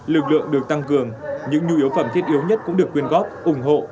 lực lượng được tăng cường những nhu yếu phẩm thiết yếu nhất cũng được quyên góp ủng hộ